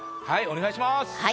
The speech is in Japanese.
はいお願いします。